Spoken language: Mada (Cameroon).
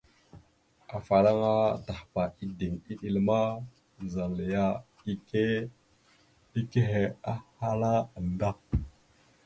Afalaŋa Tahpa ideŋ iɗel ma, zal yana ike ekehe ahala nda.